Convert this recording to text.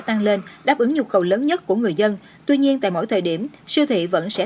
tăng lên đáp ứng nhu cầu lớn nhất của người dân tuy nhiên tại mỗi thời điểm siêu thị vẫn sẽ